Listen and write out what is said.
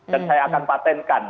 dan saya akan patenkan